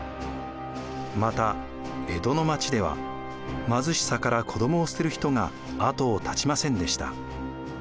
また江戸の町では貧しさから子どもを捨てる人が後を絶ちませんでした。